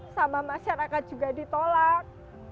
sama masyarakat juga ditolak